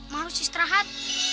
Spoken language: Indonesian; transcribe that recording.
mak harus istirahat